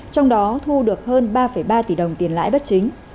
trong đó thu được hơn ba ba tỷ đồng tiền lãi bất chính